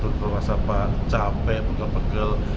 terus apa capek pegel pegel